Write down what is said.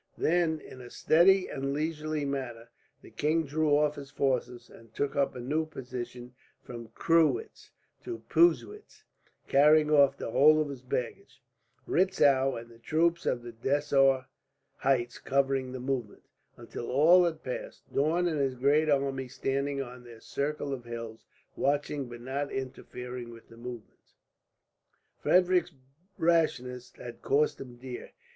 Then, in a steady and leisurely manner, the king drew off his forces and took up a new position from Krewitz to Puswietz, carrying off the whole of his baggage; Retzow and the troops on the Dressau heights covering the movement, until all had passed; Daun and his great army standing on their circle of hills, watching, but not interfering with the movement. Frederick's rashness had cost him dear.